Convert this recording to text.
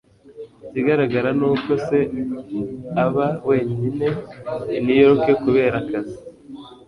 ikigaragara ni uko se aba wenyine i new york kubera akazi